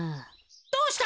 どうした？